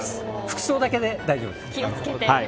服装だけで大丈夫です。